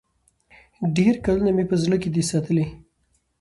ډېر کلونه مي په زړه کي دی ساتلی